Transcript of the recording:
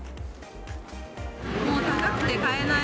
もう高くて買えない。